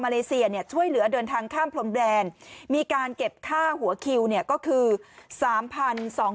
เลเซียเนี่ยช่วยเหลือเดินทางข้ามพรมแดนมีการเก็บค่าหัวคิวเนี่ยก็คือ๓๒๐๐